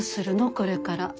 これから。